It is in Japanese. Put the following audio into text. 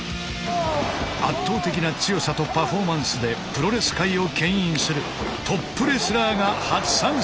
圧倒的な強さとパフォーマンスでプロレス界をけん引するトップレスラーが初参戦！